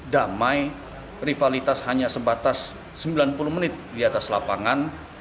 damai rivalitas hanya sebatas sembilan puluh menit di atas lapangan